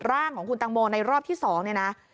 ร่างของคุณตังโมในรอบที่๒เนี่ยนะ